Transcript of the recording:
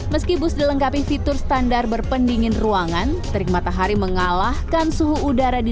meski bus dilengkapi fitur standar berpendingin ruangan terik matahari mengalahkan suhu udara di